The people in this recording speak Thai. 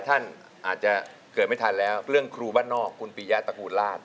ท่านอาจจะเกิดไม่ทันแล้วเรื่องครูบ้านนอกคุณปียะตระกูลราช